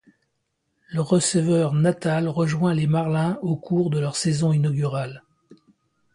Le receveur Natal rejoint les Marlins au cours de leur saison inaugurale.